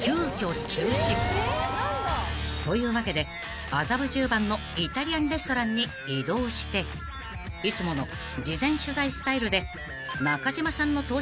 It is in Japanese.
［というわけで麻布十番のイタリアンレストランに移動していつもの事前取材スタイルで中島さんの到着を待つことに］